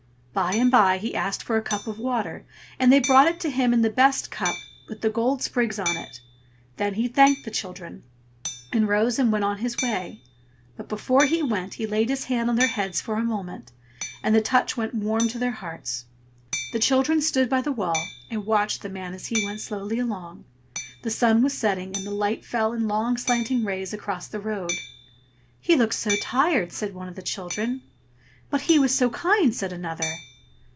By and by he asked for a cup of water, and they brought it to him in the best cup, with the gold sprigs on it: then he thanked the children, and rose and went on his way; but before he went he laid his hand on their heads for a moment, and the touch went warm to their hearts. The children stood by the wall and watched the man as he went slowly along. The sun was setting, and the light fell in long slanting rays across the road. "He looks so tired!" said one of the children. "But he was so kind!" said another.